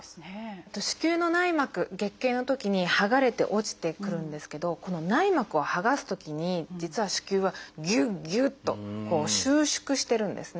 子宮の内膜月経のときにはがれて落ちてくるんですけどこの内膜をはがすときに実は子宮はギュッギュッと収縮してるんですね。